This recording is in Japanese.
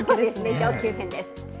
上級編です。